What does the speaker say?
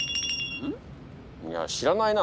いや知らないな。